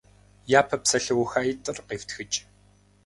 Япэ псалъэухаитӀыр къифтхыкӀ.